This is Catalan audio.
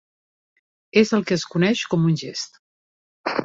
És el que es coneix com un gest.